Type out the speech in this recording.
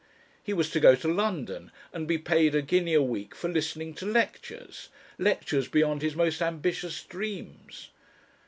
He was to go to London and be paid a guinea a week for listening to lectures lectures beyond his most ambitious dreams!